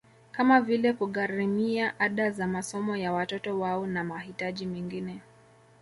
Kama vile kugharimia ada za masomo ya watoto wao na mahitaji mengine